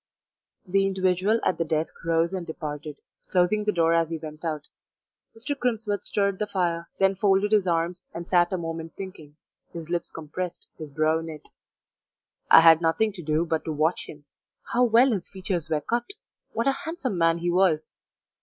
The individual at the desk rose and departed, closing the door as he went out. Mr. Crimsworth stirred the fire, then folded his arms, and sat a moment thinking, his lips compressed, his brow knit. I had nothing to do but to watch him how well his features were cut! what a handsome man he was!